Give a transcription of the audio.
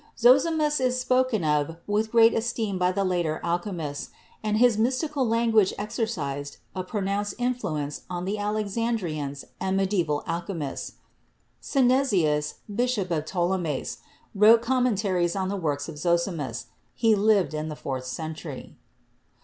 Zosimus is spoken of with great esteem by the later alchemists, and his mystical language exercised a pronounced influence on the Alexan drians and medieval alchemists. Synesius, Bishop of Ptolemais, wrote commentaries on the works of Zosimus; he lived in the fourth century.